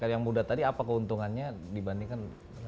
yang muda tadi apa keuntungannya dibandingkan